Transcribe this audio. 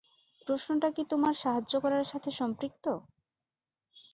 প্রশ্নটা কি তোমার সাহায্য করার সাথে সম্পৃক্ত?